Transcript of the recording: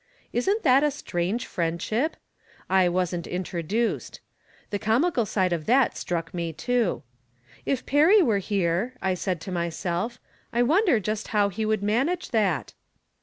Isn't that a strange friendship ?. I wasn't introduced. The comical side of that struck me, too. " If Perry were here," I said to myself, " I wonder just how he would manage that